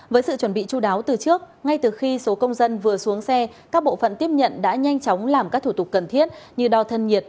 với sự chuẩn bị chú đáo từ trước ngay từ khi số công dân vừa xuống xe các bộ phận tiếp nhận đã nhanh chóng làm các thủ tục cần thiết như đo thân nhiệt